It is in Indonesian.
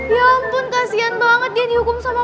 ya ampun kasian banget dia dihukum sama